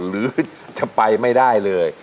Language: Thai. หรือจะไปไม่ได้เลย